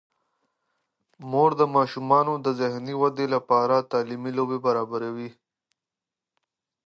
مور د ماشومانو د ذهني ودې لپاره تعلیمي لوبې برابروي.